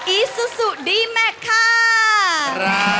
อีซูซูดีแมกค่ะ